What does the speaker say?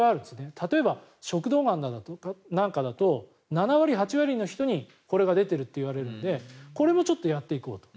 例えば食道がんなんかだと７割、８割の人にこれが出ているといわれるのでこれもやっていこうと。